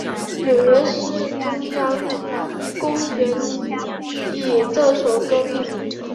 纽约市中央公园的以这首歌命名。